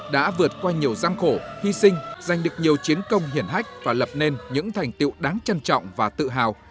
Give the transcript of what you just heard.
đã vượt qua nhiều gian khổ hy sinh giành được nhiều chiến công hiển hách và lập nên những thành tiệu đáng trân trọng và tự hào